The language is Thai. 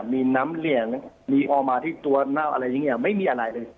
มีน้ำเหลืองมีออกมาที่ตัวเน่าอะไรอย่างนี้ไม่มีอะไรเลย